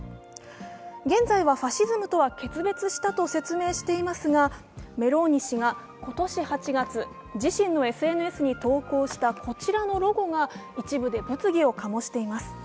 現在はファシズムとは決別したと説明していますが、メローニ氏が今年８月、自身のＳＮＳに投稿したこちらのロゴが一部で物議を醸しています。